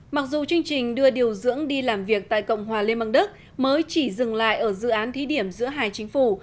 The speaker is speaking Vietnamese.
mặc dù chương trình đưa điều dưỡng đi làm việc tại cộng hòa liên bang đức mới chỉ dừng lại ở dự án thí điểm giữa hai chính phủ